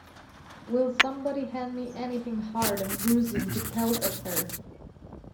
Will somebody hand me anything hard and bruising to pelt at her?